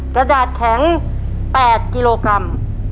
กระดาษแข็ง๘กิโลกรัม